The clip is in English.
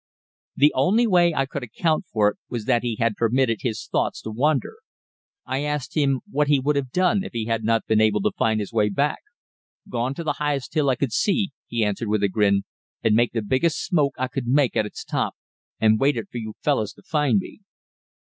The only way I could account for it was that he had permitted his thoughts to wander. I asked him what he would have done if he had not been able to find his way back. "Gone to the highest hill I could see," he answered with a grin, "and made the biggest smoke I could make at its top, and waited for you fellus to find me."